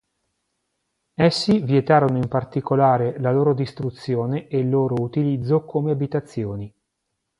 Essi vietarono in particolare la loro distruzione e il loro utilizzo come abitazioni.